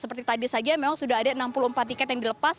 seperti tadi saja memang sudah ada enam puluh empat tiket yang dilepas